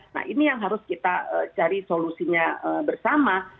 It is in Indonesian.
nah ini yang harus kita cari solusinya bersama